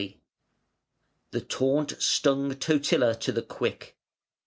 ] The taunt stung Totila to the quick.